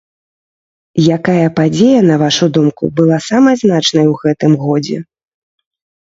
Якая падзея, на вашу думку, была самай значнай у гэтым годзе?